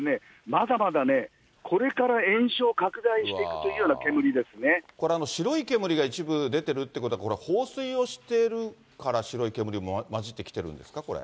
まだまだね、これから延焼拡大しこれ、白い煙が一部出てるっていうことは、これは放水をしているから白い煙混じってきてるんですか、これ。